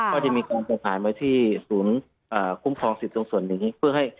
ก็จะมีการผ่านมาที่ศูนย์คุ้มครองสิทธิ์ตรงส่วนนี้